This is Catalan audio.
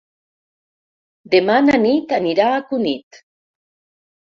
Demà na Nit anirà a Cunit.